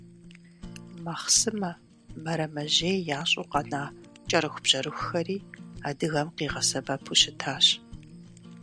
Махъсымэ, мэрэмэжьей ящӀу къэна кӀэрыхубжьэрыхухэри адыгэм къигъэсэбэпу щытащ.